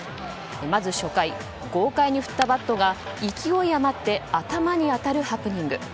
まず初回、豪快に振ったバットが勢い余って頭に当たるハプニング。